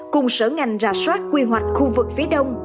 cùng sở ngành ra soát quy hoạch khu vực phía đông